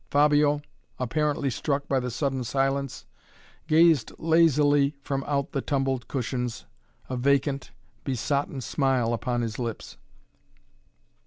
Fabio, apparently struck by the sudden silence, gazed lazily from out the tumbled cushions, a vacant, besotten smile upon his lips.